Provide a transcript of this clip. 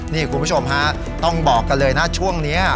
นี่คุณผู้ชมฮะต้องบอกกันเลยนะช่วงนี้